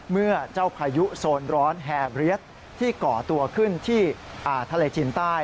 เมื่อเจ้าพายุโซนร้อนแฮเรียสที่ก่อตัวขึ้นที่ทะเลจีนใต้